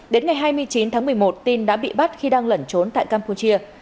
đến ngày hai mươi chín tháng một mươi một tin đã bị bắt khi đang lẩn trốn tại campuchia